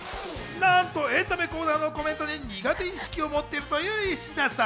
なんとエンタメコーナーのコメントに苦手意識を持っているという石田さん。